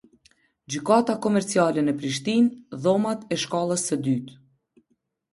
Gjykata Komerciale në Prishtinë, Dhomat e shkallës së dytë.